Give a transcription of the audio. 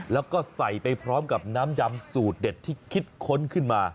แล้วก็ใส่ไปพร้อมกับน้ำยำสูตรเด็ดที่คิดค้นขึ้นมา